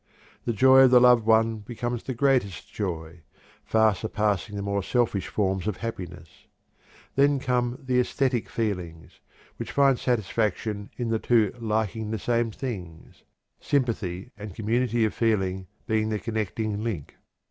The joy of the loved one becomes the greatest joy, far surpassing the more selfish forms of happiness. Then come the æsthetic feelings, which find satisfaction in the two "liking the same things," sympathy and community of feeling being the connecting link.